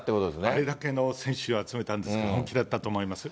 あれだけの選手を集めたんだから、本気だったと思います。